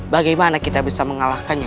bagaimana kita bisa mengalahkannya